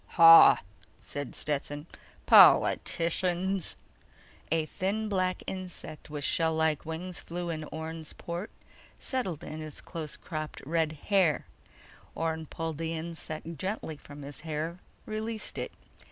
"Hah!" said Stetson. "Politicians!" A thin black insect with shell like wings flew in Orne's port, settled in his close cropped red hair. Orne pulled the insect gently from his hair, released it.